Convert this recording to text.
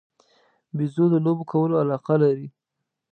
بیزو د لوبو کولو علاقه لري.